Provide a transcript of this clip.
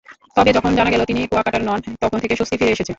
তবে যখন জানা গেল তিনি কুয়াকাটার নন, তখন থেকে স্বস্তি ফিরে এসেছে।